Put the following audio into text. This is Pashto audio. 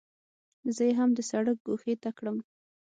زه یې هم د سړک ګوښې ته کړم.